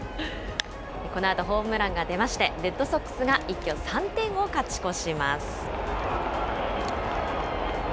このあとホームランが出まして、レッドソックスが一挙３点を勝ち越します。